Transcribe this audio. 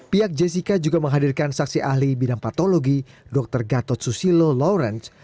pihak jessica juga menghadirkan saksi ahli bidang patologi dr gatot susilo lawrence